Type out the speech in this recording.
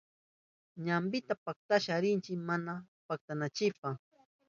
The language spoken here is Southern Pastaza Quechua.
Ñampita katishpa rinchi mana pantananchipa.